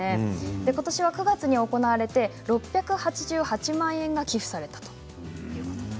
ことしは９月に行われて６８８万円が寄付されたそうです。